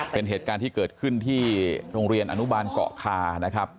เป็นเหตุการณ์ที่เกิดขึ้นที่โรงเรียนอนุบาลเกาะคานะครับ